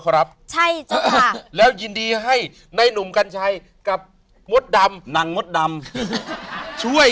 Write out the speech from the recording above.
ครับใช่จ้ะแล้วยินดีให้ในหนุ่มกัญชัยกับมดดำนางมดดำช่วย